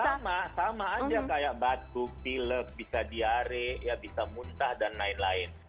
sama sama aja kayak batuk pilek bisa diare bisa muntah dan lain lain